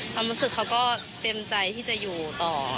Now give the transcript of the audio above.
ความรู้สึกเขาก็เตรียมใจที่จะอยู่ต่อ